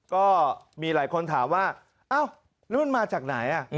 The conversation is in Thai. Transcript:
ก็มีหลายคนถามว่าอ้าวแล้วมันมาจากไหน